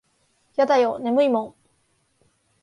やだよ眠いもん。